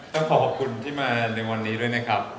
ต้องขอขอบคุณที่มาในวันนี้ด้วยนะครับ